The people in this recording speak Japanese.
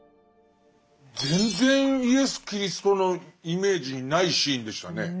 全然イエス・キリストのイメージにないシーンでしたね。